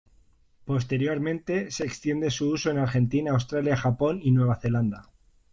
Posteriormente se extiende su uso en Argentina, Australia, Japón y Nueva Zelanda.